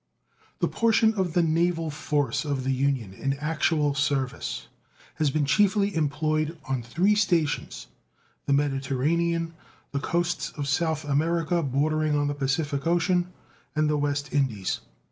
The portion of the naval force of the Union in actual service has been chiefly employed on three stations the Mediterranean, the coasts of South America bordering on the Pacific Ocean, and the West Indies.